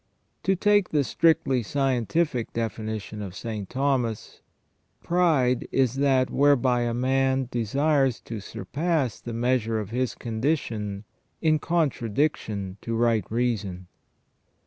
To take the strictly scientific definition of St. Thomas :" Pride is that whereby a man desires to surpass the measure of his condition in contradiction to right reason